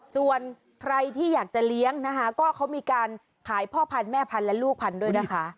ส่วนใครที่อยากจะเลี้ยงนะคะก็เขามีการขายพ่อพันธุ์แม่พันธุ์และลูกพันธุ์ด้วยนะคะ